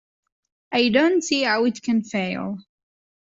I don't see how it can fail.